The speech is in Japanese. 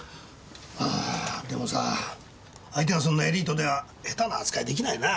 ああでもさ相手がそんなエリートでは下手な扱いはできないな。